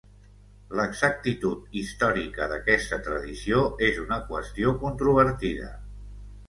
L'exactitud històrica d'aquesta tradició és una qüestió controvertida.